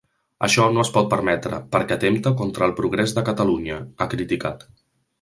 Això no es pot permetre, perquè atempta contra el progrés de Catalunya, ha criticat.